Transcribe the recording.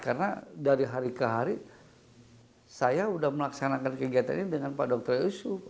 karena dari hari ke hari saya sudah melaksanakan kegiatan ini dengan pak dr yusuf